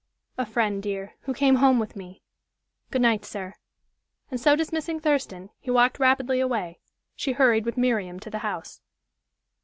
"A friend, dear, who came home with me. Good night, sir." And so dismissing Thurston, he walked rapidly away. She hurried with Miriam to the house.